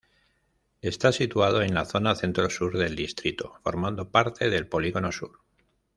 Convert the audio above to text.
Está situado en la zona centro-sur del distrito, formando parte del Polígono Sur.